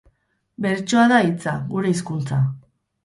Bertsoa da hitza, gure hizkuntza